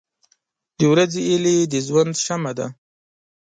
• د ورځې هیلې د ژوند شمع ده.